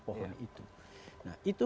pohon itu nah itu